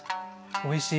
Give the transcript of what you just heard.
おいしい。